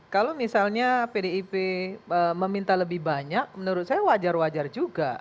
kalau misalnya pdip meminta lebih banyak menurut saya wajar wajar juga